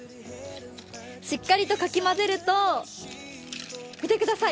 しっかりとかき混ぜるとみてください